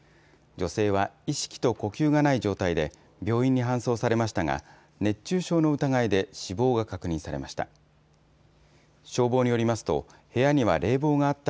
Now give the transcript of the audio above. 女性は意識と呼吸がない状態で、病院に搬送されましたが、熱中症の疑いで死亡が確認されました。